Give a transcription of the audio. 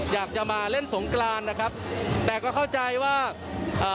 อยากจะมาเล่นสงกรานนะครับแต่ก็เข้าใจว่าอ่า